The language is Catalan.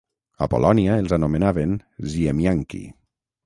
A Polònia els anomenaven "ziemianki".